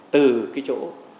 từ cái chỗ